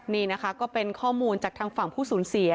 นี่นะคะก็เป็นข้อมูลจากทางฝั่งผู้สูญเสีย